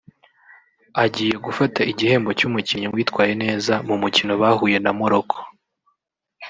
Agiye gufata igihembo cy’umukinnyi witwaye neza mu mukino bahuye na Morocco